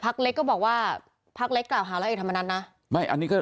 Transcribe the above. พักเล็กก็บอกว่าพักเล็กกล่าวหาละเอียดธรรมดันนะไม่อันนี้